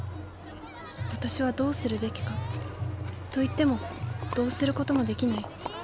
私はどうするべきか？といってもどうすることもできない。